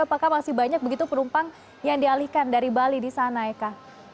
apakah masih banyak begitu penumpang yang dialihkan dari bali di sana eka